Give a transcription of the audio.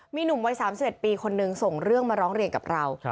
มีหนุ่มวัย๓๑ปีคนนึงส่งเรื่องมาร้องเรียนกับเรา